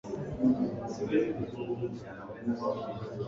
Na baada ya hapo nikawa naanza kufikiria sehemu